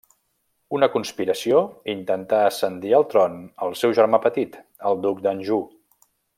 Una conspiració intentà ascendir al tron al seu germà petit, el duc d'Anjou.